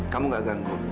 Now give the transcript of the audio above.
kamu gak ganggu